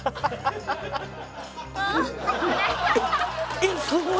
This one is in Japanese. えっすごい！